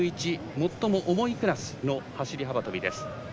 最も重いクラスの走り幅跳びです。